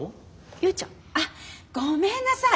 勇ちゃん？あっごめんなさい。